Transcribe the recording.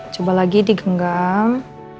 coba lagi di genggam